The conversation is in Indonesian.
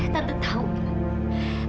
tante tahu camilla